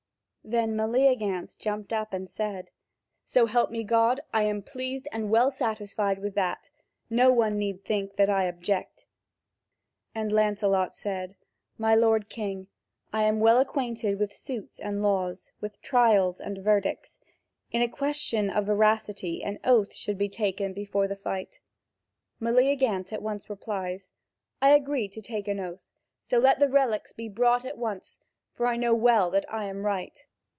Then Meleagant jumped up and said: "So help me God, I am pleased and well satisfied with that: no one need think that I object." And Lancelot said: "My lord king, I am well acquainted with suits and laws, with trials and verdicts: in a question of veracity an oath should be taken before the fight." Meleagant at once replies: "I agree to take an oath; so let the relics be brought at once, for I know well that I am right."